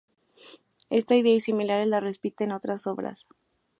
Esta idea y similares las repite en otras obras.